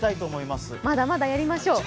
まだまだやりましょう。